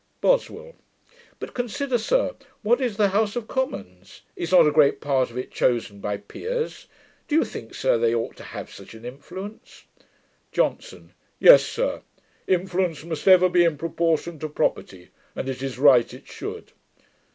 BOSWELL. 'But consider, sir; what is the House of Commons? Is not a great part of it chosen by peers? Do you think, sir, they ought to have such an influence?' JOHNSON. 'Yes, sir. Influence must ever be in proportion to property; and it is right it should.'